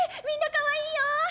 みんなかわいいよ！